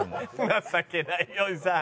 「情けないおじさん」